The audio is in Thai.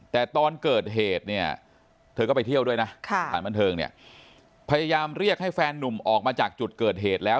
แต่ตอนเกิดเหตุเธอก็ไปเที่ยวด้วยนะพยายามเรียกให้แฟนหนุ่มออกมาจากจุดเกิดเหตุแล้ว